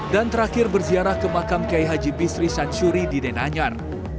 dan terakhir berziarah ke makam kiai haji bisri shansuri di denanyar